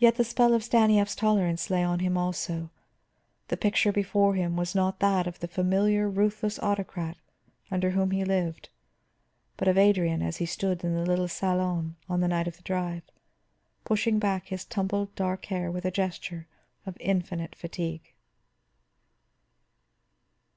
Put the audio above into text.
Yet the spell of Stanief's tolerance lay on him also; the picture before him was not that of the familiar, ruthless autocrat under whom he lived, but of Adrian as he had stood in the little salon on the night of the drive, pushing back his tumbled dark hair with a gesture of infinite fatigue.